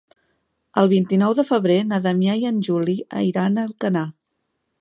El vint-i-nou de febrer na Damià i en Juli iran a Alcanar.